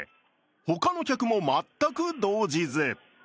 他の客も全く動じず。